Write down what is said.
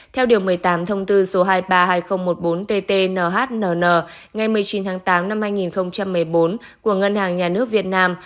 theo điều một mươi tám thông tư số hai trăm ba mươi hai nghìn một mươi bốn tt nhnn ngày một mươi chín tháng tám năm hai nghìn một mươi bốn của ngân hàng nhà nước việt nam